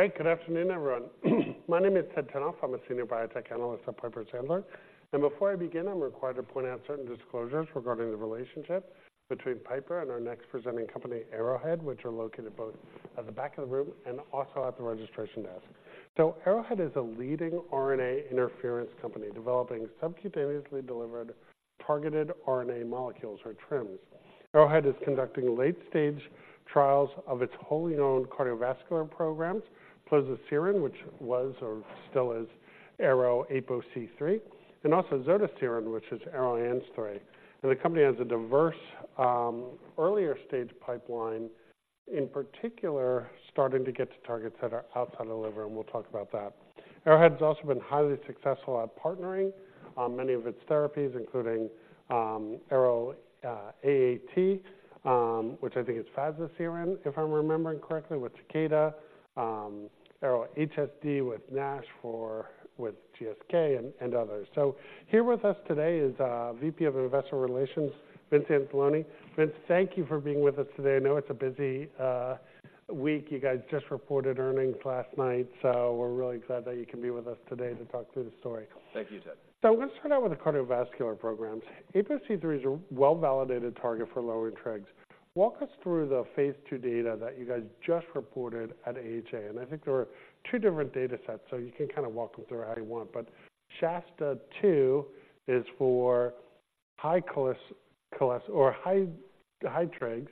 Great. Good afternoon, everyone. My name is Ted Tenthoff. I'm a senior biotech analyst at Piper Sandler, and before I begin, I'm required to point out certain disclosures regarding the relationship between Piper and our next presenting company, Arrowhead, which are located both at the back of the room and also at the registration desk. So Arrowhead is a leading RNA interference company, developing subcutaneously delivered targeted RNA molecules, or TRiMs. Arrowhead is conducting late-stage trials of its wholly owned cardiovascular programs, plozasiran, which was or still is ARO-APOC3, and also zodasiran, which is ARO-ANG3. The company has a diverse, earlier-stage pipeline, in particular, starting to get to targets that are outside the liver, and we'll talk about that. Arrowhead's also been highly successful at partnering many of its therapies, including ARO-AAT, which I think is fazirsiran, if I'm remembering correctly, with Takeda, ARO-HSD with NASH with GSK and others. So here with us today is VP of Investor Relations, Vince Anzalone. Vince, thank you for being with us today. I know it's a busy week. You guys just reported earnings last night, so we're really glad that you can be with us today to talk through the story. Thank you, Ted. So let's start out with the cardiovascular programs. APOC3 is a well-validated target for lowering trigs. Walk us through the Phase II data that you guys just reported at AHA, and I think there were two different data sets, so you can kind of walk them through however you want. SHASTA-2 is for high cholesterol or high, high trigs,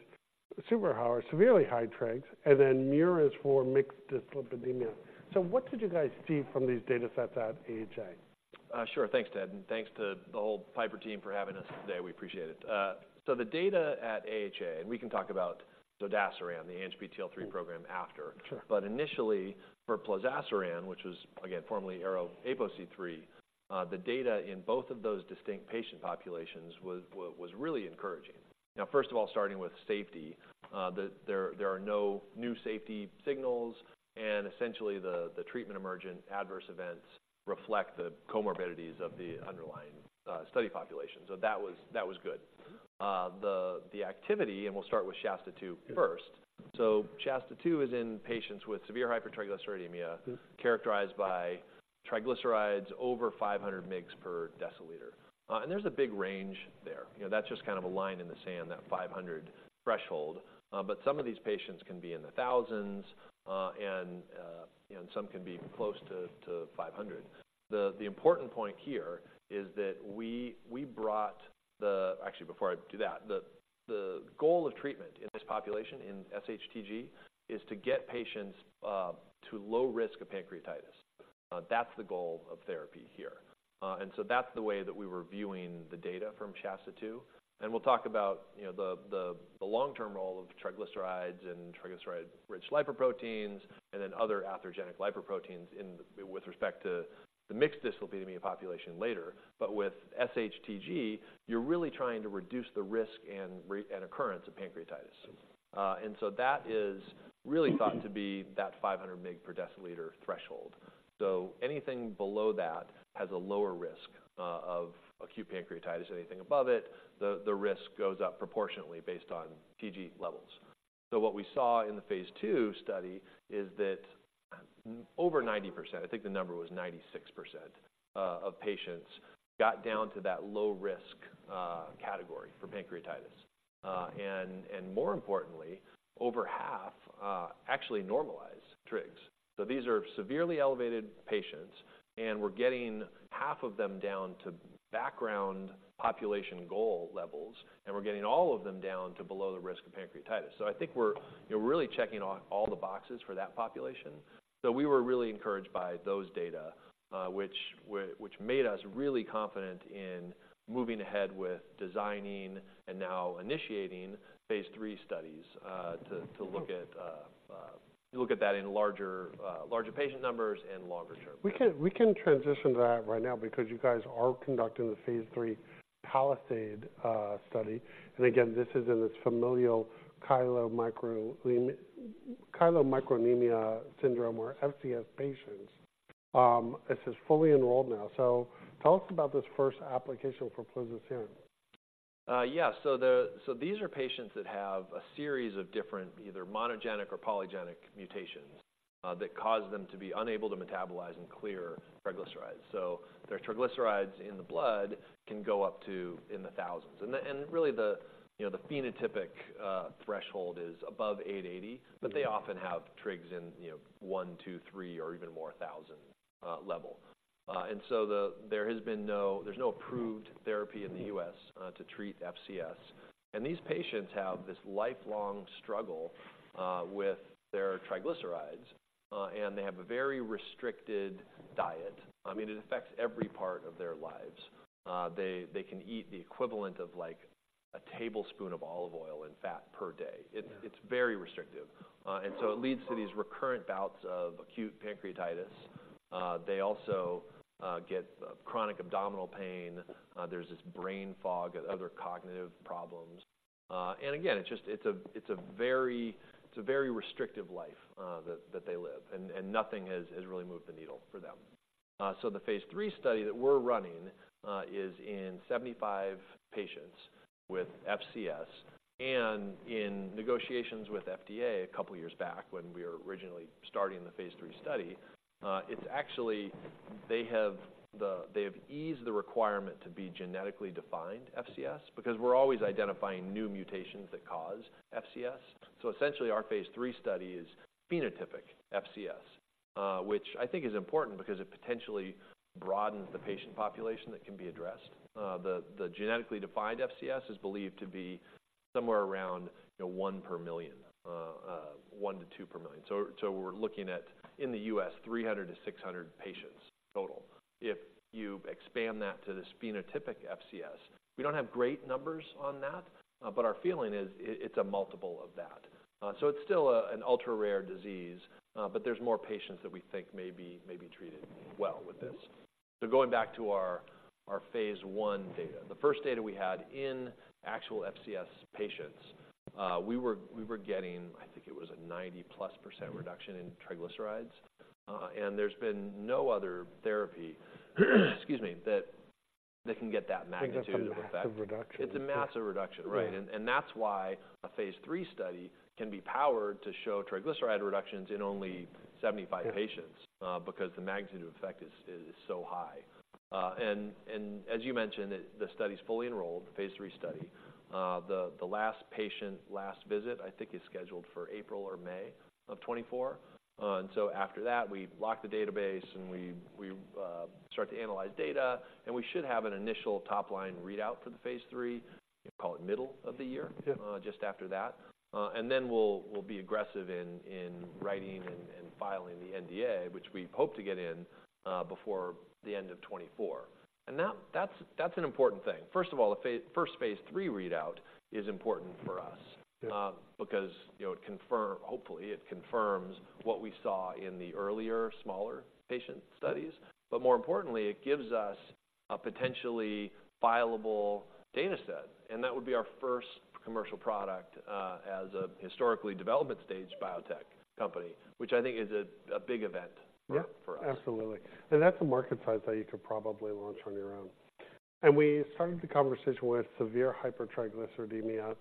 super high or severely high trigs, and then MUIR is for mixed dyslipidemia. What did you guys see from these data sets at AHA? Sure. Thanks, Ted, and thanks to the whole Piper team for having us today. We appreciate it. So the data at AHA, and we can talk about zodasiran, the ANGPTL3 program, after. Sure. But initially, for plozasiran, which was, again, formerly ARO-APOC3, the data in both of those distinct patient populations was really encouraging. Now, first of all, starting with safety, there are no new safety signals, and essentially, the treatment-emergent adverse events reflect the comorbidities of the underlying study population. So that was good. Mm-hmm. The activity, and we'll start with SHASTA-2 first. Yeah. SHASTA-2 is in patients with severe hypertriglyceridemia- Mm-hmm... characterized by triglycerides over 500 mg/dL. There's a big range there. You know, that's just kind of a line in the sand, that 500 threshold. But some of these patients can be in the thousands, and some can be close to 500. The important point here is that we brought the... Actually, before I do that, the goal of treatment in this population, in SHTG, is to get patients to low risk of pancreatitis. That's the goal of therapy here. And so that's the way that we were viewing the data from SHASTA-2. And we'll talk about, you know, the long-term role of triglycerides and triglyceride-rich lipoproteins and then other atherogenic lipoproteins in with respect to the mixed dyslipidemia population later. But with SHTG, you're really trying to reduce the risk and recurrence of pancreatitis. Mm-hmm. And so that is really thought to be that 500 mg per deciliter threshold. So anything below that has a lower risk of acute pancreatitis. Anything above it, the risk goes up proportionately based on TG levels. So what we saw in the Phase II study is that over 90%, I think the number was 96%, of patients got down to that low-risk category for pancreatitis. And more importantly, over half actually normalized trigs. So these are severely elevated patients, and we're getting half of them down to background population goal levels, and we're getting all of them down to below the risk of pancreatitis. So I think we're, you know, really checking off all the boxes for that population. So we were really encouraged by those data, which made us really confident in moving ahead with designing and now initiating Phase II studies, to look at that in larger patient numbers and longer term. We can, we can transition to that right now because you guys are conducting the Phase III PALISADE study. And again, this is in familial chylomicronemia syndrome, or FCS, patients. This is fully enrolled now. So tell us about this first application for plozasiran. Yeah. So these are patients that have a series of different, either monogenic or polygenic mutations, that cause them to be unable to metabolize and clear triglycerides. So their triglycerides in the blood can go up to, in the thousands. And really, the, you know, the phenotypic threshold is above 880- Mm-hmm... but they often have trigs in, you know, 1, 2, 3, or even more thousand level. And so there has been no—there's no approved therapy in the U.S. to treat FCS. And these patients have this lifelong struggle with their triglycerides, and they have a very restricted diet. I mean, it affects every part of their lives. They, they can eat the equivalent of, like, a tablespoon of olive oil and fat per day. Yeah. It's very restrictive. And so it leads to these recurrent bouts of acute pancreatitis. They also get chronic abdominal pain. There's this brain fog and other cognitive problems. And again, it's just a very restrictive life that they live, and nothing has really moved the needle for them. So the Phase III study that we're running is in 75 patients with FCS. And in negotiations with FDA a couple years back when we were originally starting the Phase III study, it's actually they have eased the requirement to be genetically defined FCS, because we're always identifying new mutations that cause FCS. So essentially, our Phase III study is phenotypic FCS, which I think is important because it potentially broadens the patient population that can be addressed. The genetically defined FCS is believed to be somewhere around, you know, 1 per million, 1-2 per million. So we're looking at, in the U.S., 300-600 patients total. If you expand that to this phenotypic FCS, we don't have great numbers on that, but our feeling is, it's a multiple of that. So it's still a, an ultra-rare disease, but there's more patients that we think may be treated well with this. So going back to our Phase I data. The first data we had in actual FCS patients, we were getting, I think it was a 90+% reduction in triglycerides. And there's been no other therapy, excuse me, that can get that magnitude of effect. That's a massive reduction. It's a massive reduction, right? Yeah. That's why a Phase III study can be powered to show triglyceride reductions in only 75 patients- Yeah... because the magnitude of effect is so high. And as you mentioned, the study's fully enrolled, the Phase III study. The last patient, last visit, I think, is scheduled for April or May of 2024. And so after that, we lock the database, and we start to analyze data, and we should have an initial top-line readout for the Phase III, call it middle of the year- Yeah... just after that. And then we'll be aggressive in writing and filing the NDA, which we hope to get in before the end of 2024. And that's an important thing. First of all, the first Phase III readout is important for us- Yeah Because, you know, it confirms what we saw in the earlier, smaller patient studies. But more importantly, it gives us a potentially fileable data set, and that would be our first commercial product, as a historically development stage biotech company, which I think is a big event for us. Yeah, absolutely. And that's a market size that you could probably launch on your own. And we started the conversation with severe hypertriglyceridemia.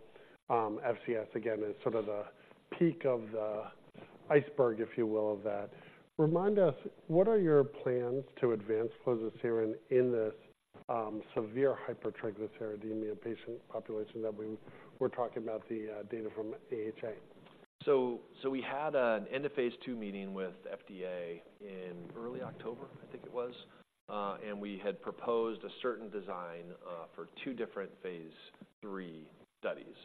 FCS, again, is sort of the peak of the iceberg, if you will, of that. Remind us, what are your plans to advance plozasiran in this, severe hypertriglyceridemia patient population that we were talking about the, data from AHA? So we had an end-of-Phase II meeting with FDA in early October, I think it was, and we had proposed a certain design for two different Phase III studies.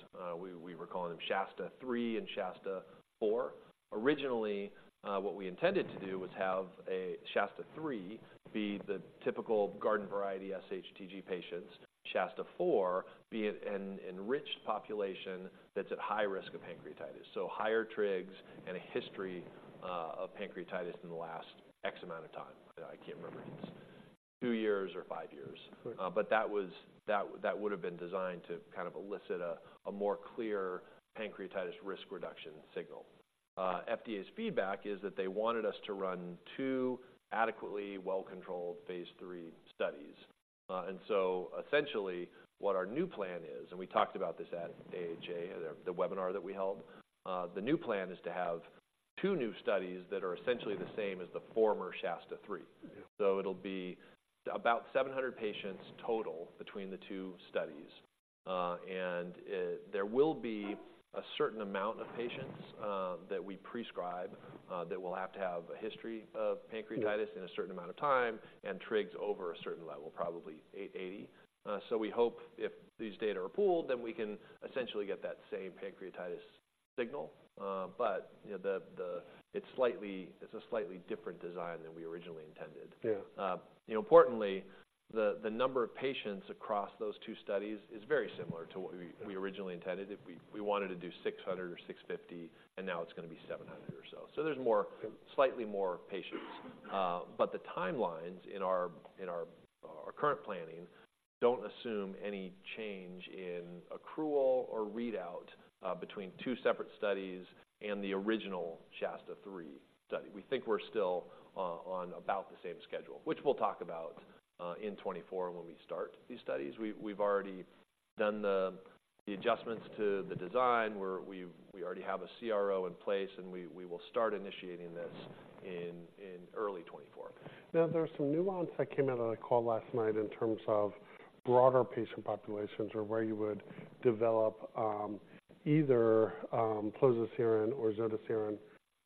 We were calling them SHASTA-3 and SHASTA-4. Originally, what we intended to do was have a SHASTA-3 be the typical garden variety SHTG patients, SHASTA-4 be an enriched population that's at high risk of pancreatitis. So higher trigs and a history of pancreatitis in the last X amount of time. I can't remember if it's two years or five years. Sure. But that was... That, that would have been designed to kind of elicit a more clear pancreatitis risk reduction signal. FDA's feedback is that they wanted us to run two adequately well-controlled Phase III studies. And so essentially, what our new plan is, and we talked about this at AHA, the webinar that we held. The new plan is to have two new studies that are essentially the same as the former SHASTA-3. Yeah. So it'll be about 700 patients total between the two studies. There will be a certain amount of patients that we prescreen that will have to have a history of pancreatitis- Yeah... in a certain amount of time, and trigs over a certain level, probably 880. So we hope if these data are pooled, then we can essentially get that same pancreatitis signal. But you know, it's a slightly different design than we originally intended. Yeah. You know, importantly, the number of patients across those two studies is very similar to what we- Yeah... we originally intended. If we wanted to do 600 or 650, and now it's gonna be 700 or so. So there's more- Yeah... slightly more patients. But the timelines in our current planning don't assume any change in accrual or readout between two separate studies and the original SHASTA-3 study. We think we're still on about the same schedule, which we'll talk about in 2024 when we start these studies. We've already done the adjustments to the design, where we already have a CRO in place, and we will start initiating this in early 2024. Now, there are some nuance that came out on a call last night in terms of broader patient populations, or where you would develop, either, plozasiran or zodasiran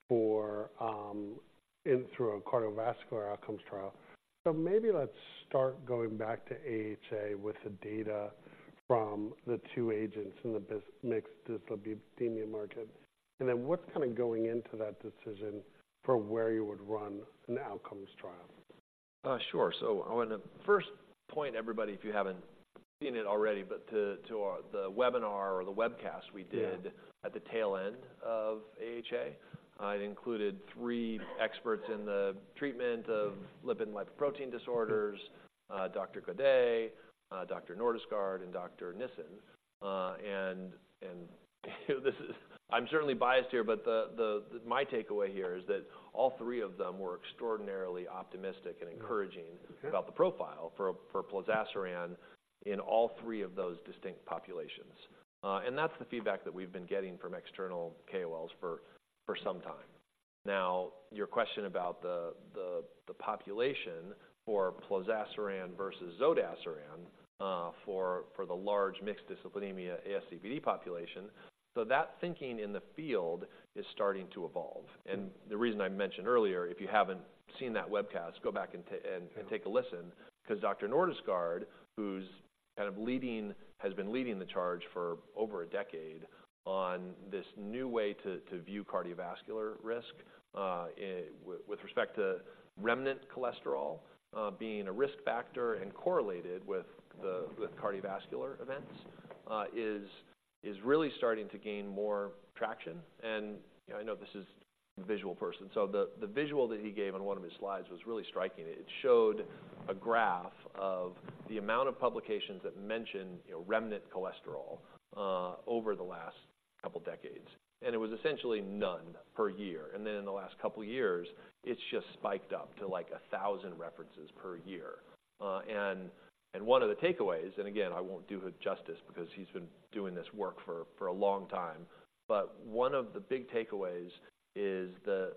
for, in through a cardiovascular outcomes trial. So maybe let's start going back to AHA with the data from the two agents in the this mixed dyslipidemia market, and then what's kinda going into that decision for where you would run an outcomes trial? Sure. So I wanna first point everybody, if you haven't seen it already, but to the webinar or the webcast we did- Yeah... at the tail end of AHA. It included three experts in the treatment of lipid lipoprotein disorders: Dr. Gaudet, Dr. Nordestgaard, and Dr. Nissen. And this is- I'm certainly biased here, but the, the- my takeaway here is that all three of them were extraordinarily optimistic and encouraging- Yeah... about the profile for plozasiran in all three of those distinct populations. And that's the feedback that we've been getting from external KOLs for some time.... Now, your question about the population for plozasiran versus zodasiran, for the large mixed dyslipidemia ASCVD population, so that thinking in the field is starting to evolve. And the reason I mentioned earlier, if you haven't seen that webcast, go back and take a listen, 'cause Dr. Nordestgaard, who's kind of leading, has been leading the charge for over a decade on this new way to view cardiovascular risk, with respect to remnant cholesterol being a risk factor and correlated with cardiovascular events, is really starting to gain more traction. You know, I know this is a visual person, so the visual that he gave on one of his slides was really striking. It showed a graph of the amount of publications that mention, you know, remnant cholesterol over the last couple decades, and it was essentially none per year. And then in the last couple years, it's just spiked up to, like, 1,000 references per year. And one of the takeaways, and again, I won't do it justice because he's been doing this work for a long time, but one of the big takeaways is the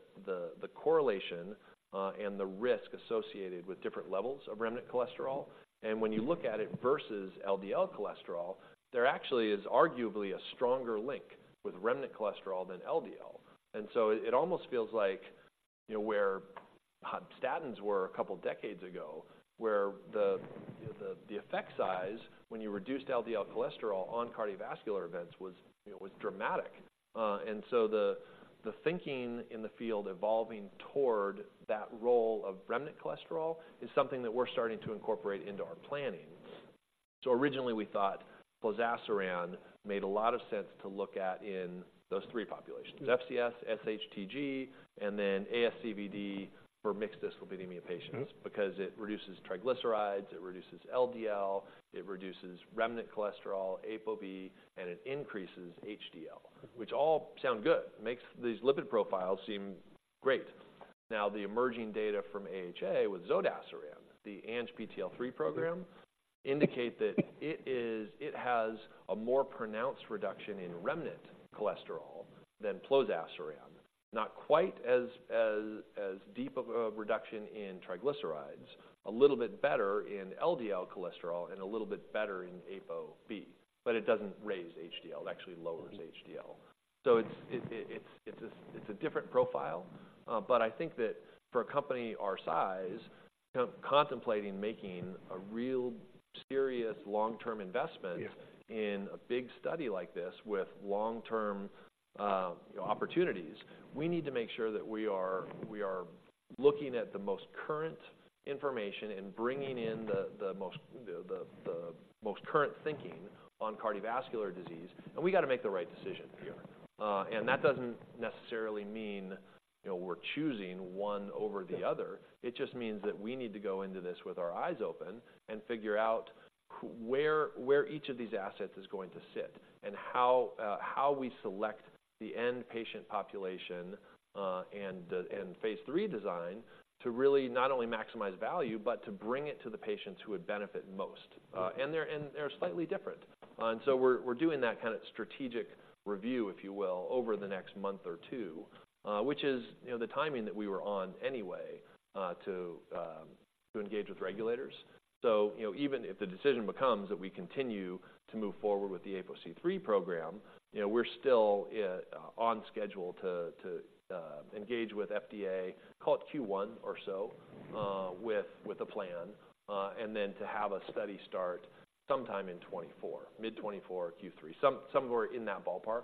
correlation and the risk associated with different levels of remnant cholesterol. And when you look at it versus LDL cholesterol, there actually is arguably a stronger link with remnant cholesterol than LDL. And so it almost feels like, you know, where statins were a couple decades ago, where the effect size when you reduced LDL cholesterol on cardiovascular events was, you know, was dramatic. And so the thinking in the field evolving toward that role of remnant cholesterol is something that we're starting to incorporate into our planning. So originally, we thought plozasiran made a lot of sense to look at in those three populations: FCS, SHTG, and then ASCVD for mixed dyslipidemia patients. Mm-hmm. Because it reduces triglycerides, it reduces LDL, it reduces remnant cholesterol, ApoB, and it increases HDL, which all sound good. Makes these lipid profiles seem great. Now, the emerging data from AHA with zodasiran, the ANGPTL3 program, indicate that it has a more pronounced reduction in remnant cholesterol than plozasiran. Not quite as deep of a reduction in triglycerides, a little bit better in LDL cholesterol, and a little bit better in ApoB, but it doesn't raise HDL. It actually lowers HDL. Mm-hmm. So it's a different profile, but I think that for a company our size, kind of contemplating making a real serious long-term investment- Yeah... in a big study like this with long-term opportunities, we need to make sure that we are looking at the most current information and bringing in the most current thinking on cardiovascular disease, and we gotta make the right decision here. And that doesn't necessarily mean, you know, we're choosing one over the other. It just means that we need to go into this with our eyes open and figure out where each of these assets is going to sit, and how we select the end patient population, and Phase III design, to really not only maximize value, but to bring it to the patients who would benefit most. Mm-hmm. They're slightly different. And so we're doing that kind of strategic review, if you will, over the next month or two, which is, you know, the timing that we were on anyway, to engage with regulators. So, you know, even if the decision becomes that we continue to move forward with the ApoC3 program, you know, we're still on schedule to engage with FDA, call it Q1 or so, with a plan, and then to have a study start sometime in 2024, mid-2024, Q3. Somewhere in that ballpark.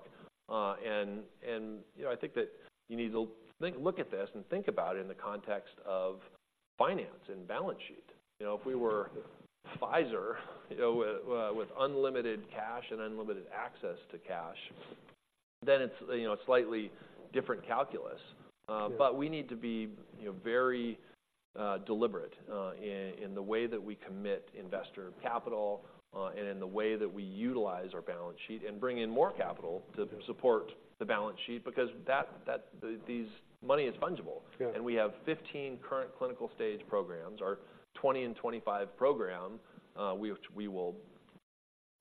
And, you know, I think that you need to look at this and think about it in the context of finance and balance sheet. You know, if we were Pfizer, you know, with unlimited cash and unlimited access to cash, then it's, you know, a slightly different calculus. Yeah... but we need to be, you know, very, deliberate, in, in the way that we commit investor capital, and in the way that we utilize our balance sheet and bring in more capital- Mm-hmm... to support the balance sheet, because that these money is fungible. Yeah. And we have 15 current clinical stage programs. Our 2025 program, we will,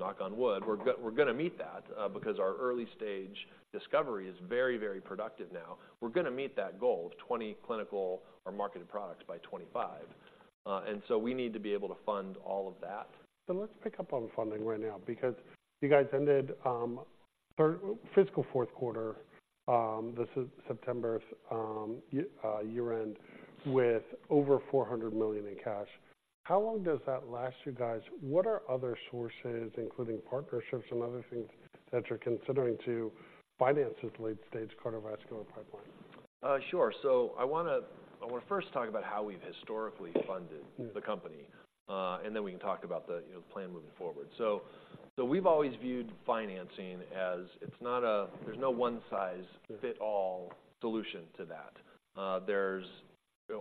knock on wood, we're gonna meet that, because our early stage discovery is very, very productive now. We're gonna meet that goal of 20 clinical or marketed products by 2025. And so we need to be able to fund all of that. So let's pick up on funding right now, because you guys ended fiscal fourth quarter, the September's year-end, with over $400 million in cash. How long does that last you guys? What are other sources, including partnerships and other things, that you're considering to finance this late-stage cardiovascular pipeline? Sure. I wanna, I wanna first talk about how we've historically funded- Mm-hmm.... the company, and then we can talk about the, you know, plan moving forward. So, we've always viewed financing as it's not a— there's no one-size- Mm-hmm. ...fits-all solution to that.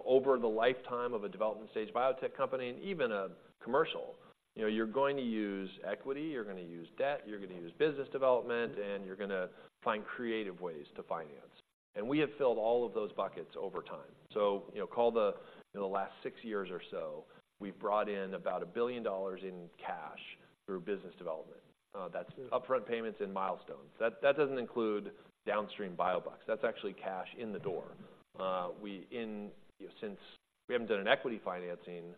Over the lifetime of a development stage biotech company and even a commercial, you know, you're going to use equity, you're gonna use debt, you're gonna use business development, and you're gonna find creative ways to finance. And we have filled all of those buckets over time. So, you know, over the last six years or so, we've brought in about $1 billion in cash through business development. That's- Mm... upfront payments and milestones. That, that doesn't include downstream biobucks. That's actually cash in the door. We, you know, since we haven't done an equity financing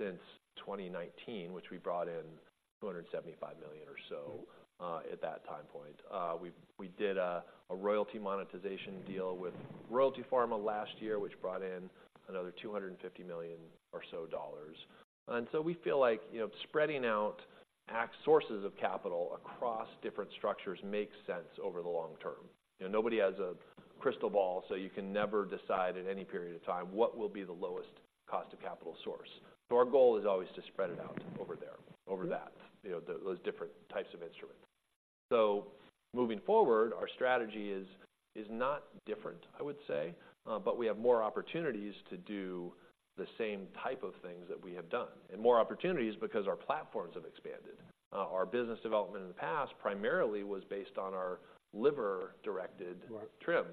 since 2019, which we brought in $275 million or so at that time point. We did a royalty monetization deal with Royalty Pharma last year, which brought in another $250 million or so dollars. And so we feel like, you know, spreading out our sources of capital across different structures makes sense over the long term. You know, nobody has a crystal ball, so you can never decide in any period of time what will be the lowest cost of capital source. So our goal is always to spread it out over time, you know, those different types of instruments. So moving forward, our strategy is, is not different, I would say, but we have more opportunities to do the same type of things that we have done, and more opportunities because our platforms have expanded. Our business development in the past primarily was based on our liver-directed- Right TRiM.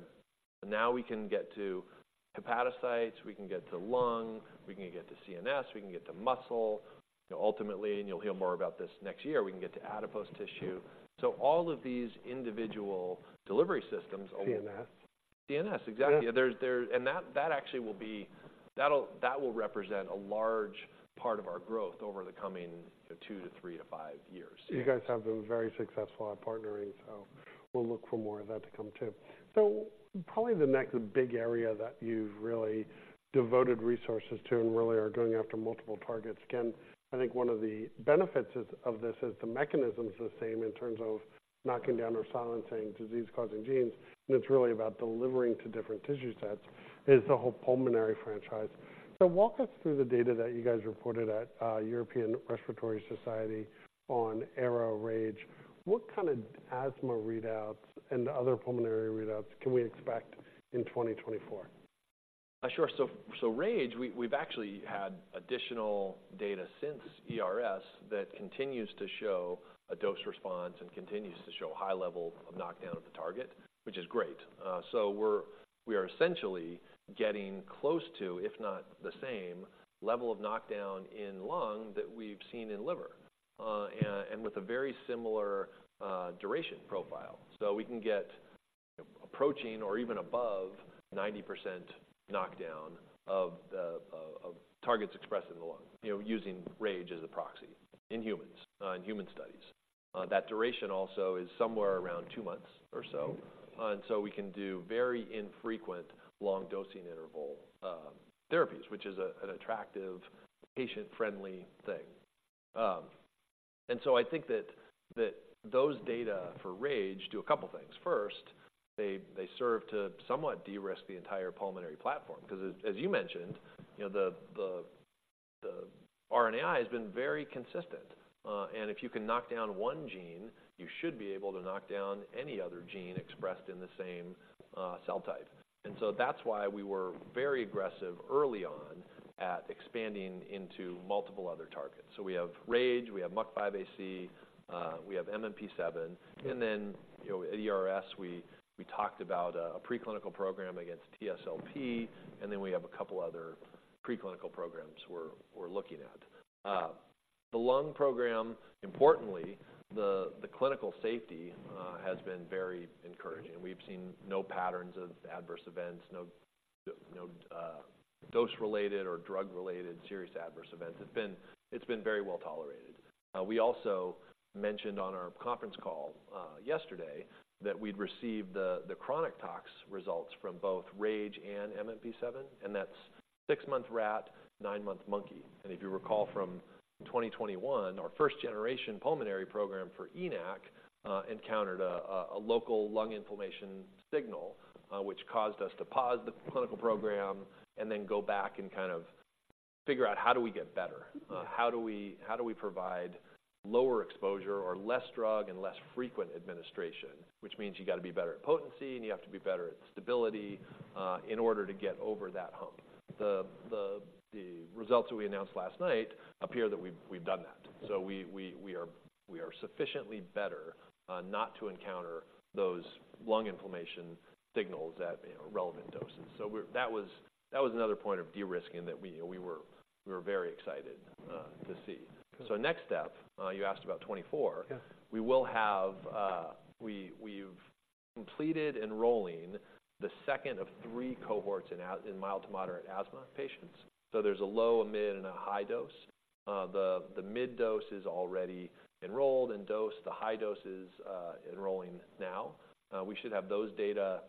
Now we can get to hepatocytes, we can get to lung, we can get to CNS, we can get to muscle. Ultimately, and you'll hear more about this next year, we can get to adipose tissue. So all of these individual delivery systems- CNS. CNS, exactly. Yeah. That actually will represent a large part of our growth over the coming two to three to five years. You guys have been very successful at partnering, so we'll look for more of that to come, too. So probably the next big area that you've really devoted resources to and really are going after multiple targets, again, I think one of the benefits is, of this is the mechanism is the same in terms of knocking down or silencing disease-causing genes, and it's really about delivering to different tissue sets, is the whole pulmonary franchise. So walk us through the data that you guys reported at European Respiratory Society on ARO-RAGE. What kind of asthma readouts and other pulmonary readouts can we expect in 2024? Sure. So, RAGE, we've actually had additional data since ERS that continues to show a dose response and continues to show a high level of knockdown of the target, which is great. So, we're essentially getting close to, if not the same, level of knockdown in lung that we've seen in liver, and with a very similar duration profile. So we can get approaching or even above 90% knockdown of the targets expressed in the lung, you know, using RAGE as a proxy in humans, in human studies. That duration also is somewhere around two months or so. Mm-hmm. And so we can do very infrequent long dosing interval therapies, which is an attractive, patient-friendly thing. And so I think that those data for RAGE do a couple things. First, they serve to somewhat de-risk the entire pulmonary platform, because as you mentioned, you know, the RNAi has been very consistent, and if you can knock down one gene, you should be able to knock down any other gene expressed in the same cell type. And so that's why we were very aggressive early on at expanding into multiple other targets. So we have RAGE, we have MUC5AC, we have MMP-7, and then, you know, at ERS, we talked about a preclinical program against TSLP, and then we have a couple other preclinical programs we're looking at. The lung program, importantly, the clinical safety has been very encouraging. We've seen no patterns of adverse events, no dose-related or drug-related serious adverse events. It's been very well tolerated. We also mentioned on our conference call yesterday that we'd received the chronic tox results from both RAGE and MMP-7, and that's six-month rat, nine-month monkey. If you recall, from 2021, our first-generation pulmonary program for ENaC encountered a local lung inflammation signal, which caused us to pause the clinical program and then go back and kind of figure out how do we get better? How do we provide lower exposure or less drug and less frequent administration, which means you've got to be better at potency, and you have to be better at stability, in order to get over that hump. The results that we announced last night appear that we've done that. So we are sufficiently better, not to encounter those lung inflammation signals at, you know, relevant doses. So we're. That was another point of de-risking that we were very excited to see. So next step, you asked about 24. Yeah. We will have, we, we've completed enrolling the second of three cohorts in our mild to moderate asthma patients. So there's a low, a mid, and a high dose. The mid dose is already enrolled and dosed. The high dose is enrolling now. We should have those data,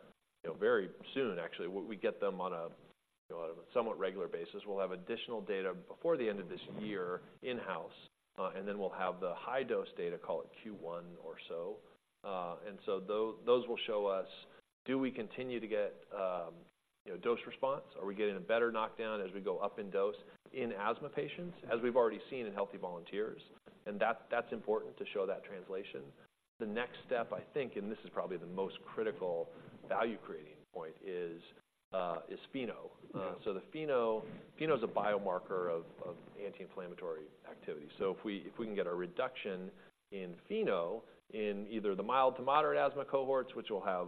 you know, very soon. Actually, we get them on a somewhat regular basis. We'll have additional data before the end of this year in-house, and then we'll have the high dose data, call it Q1 or so. And so those will show us, do we continue to get, you know, dose response? Are we getting a better knockdown as we go up in dose in asthma patients, as we've already seen in healthy volunteers? And that's important to show that translation. The next step, I think, and this is probably the most critical value-creating point, is FeNO. Yeah. So FeNO is a biomarker of anti-inflammatory activity. So if we can get a reduction in FeNO in either the mild to moderate asthma cohorts, which will have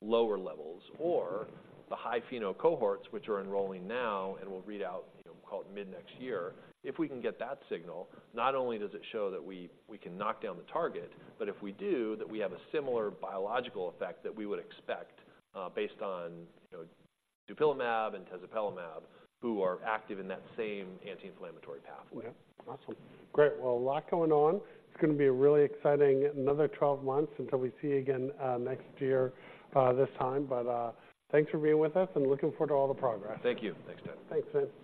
lower levels, or the high FeNO cohorts, which are enrolling now and will read out, you know, call it mid-next year. If we can get that signal, not only does it show that we can knock down the target, but if we do, that we have a similar biological effect that we would expect, based on, you know, dupilumab and tezepelumab, who are active in that same anti-inflammatory pathway. Yeah. Awesome. Great, well, a lot going on. It's gonna be a really exciting another 12 months until we see you again, next year, this time. But, thanks for being with us, and looking forward to all the progress. Thank you. Thanks, Ted. Thanks, Vince.